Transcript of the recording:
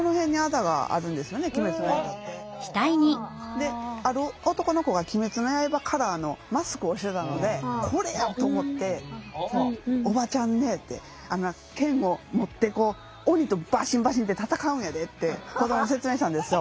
である男の子が「鬼滅の刃」カラーのマスクをしてたので「これや！」と思って「おばちゃんね」って「あのな剣を持って鬼とバシンバシンって戦うんやで」って子どもに説明したんですよ。